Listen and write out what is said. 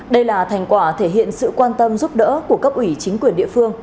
đây là thành quả thể hiện sự quan tâm giúp đỡ của cấp ủy chính quyền địa phương